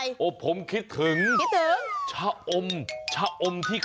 คุณคิดถึงอะไร